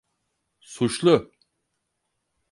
Suçlu.